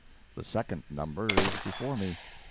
The second number is before me.